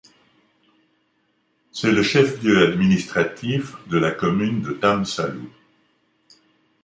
C’est le chef-lieu administratif de la commune de Tamsalu.